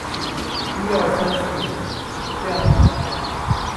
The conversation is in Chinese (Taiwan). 一二三四五，這樣嗎？